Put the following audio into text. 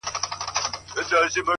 • چي هر ځای به یو قاتل وو دی یې یار وو,